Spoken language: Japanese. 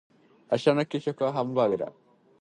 明日の給食はハンバーグだ。